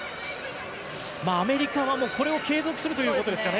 アメリカは、これを継続するということですかね。